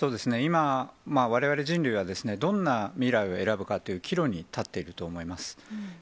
今、われわれ人類は、どんな未来を選ぶかという岐路に立っていると思います。